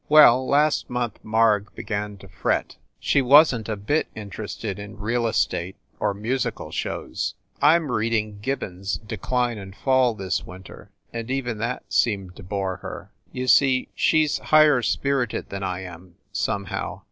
Well, last month Marg began to fret. She wasn t a bit interested in real estate or musical shows. I m reading Gibbon s "Decline and Fall" this winter, and even that seemed to bore her. You see, she s higher spirited than I am, somehow.